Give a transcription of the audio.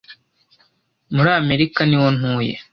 muri amerika niho ntuye